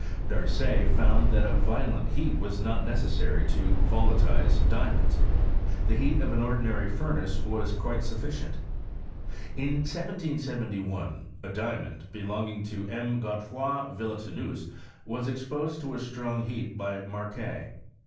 Darcet found that a violent heat wvA not necessary to volatilize diamonds. The heat of an ordinary furnace was quite sufficient. In 1771 a diamond, belonging to M. Godefroi Villetaneuse, was exposed to a strong heat by Macquer.